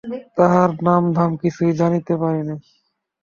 তাহার নাম ধাম কিছুই জানিতে পারি নাই।